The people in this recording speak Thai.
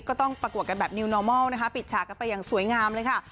ก็ต้องปรากฏกันแบบนะคะปิดฉากเข้าไปอย่างสวยงามเลยค่ะ